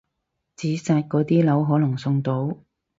紙紮嗰啲樓可能送到！